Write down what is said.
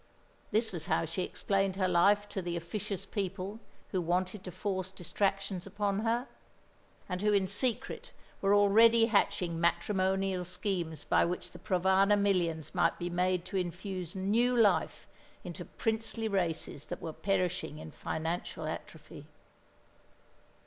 This was how she explained her life to the officious people who wanted to force distractions upon her; and who in secret were already hatching matrimonial schemes by which the Provana millions might be made to infuse new life into princely races that were perishing in financial atrophy.